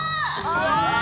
うわ！